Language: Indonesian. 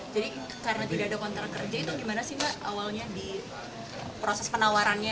jadi karena tidak ada kontrak kerja itu gimana sih mbak awalnya di proses penawarannya